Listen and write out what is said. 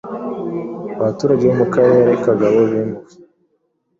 Abaturage bo mukarere kagaabo bimuwe